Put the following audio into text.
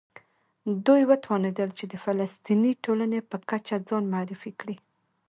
دوی وتوانېدل چې د فلسطیني ټولنې په کچه ځان معرفي کړي.